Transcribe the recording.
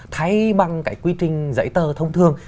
thay bằng quy trình giấy tờ thông thương